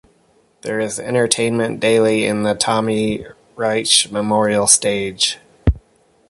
There is entertainment daily in the Tommy Roesch Memorial Stage.